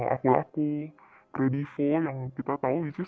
aku laku kredivo yang kita tahu